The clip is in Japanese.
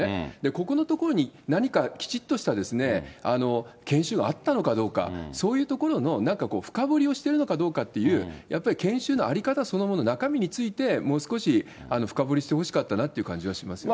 ここのところに何かきちっとした研修があったのかどうか、そういうところのなんか、深掘りをしてるのかどうかっていう、やっぱり研修の在り方そのもの、中身について、もう少し深掘りしてほしかったなという感じがしますよね。